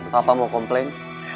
papa mau komplain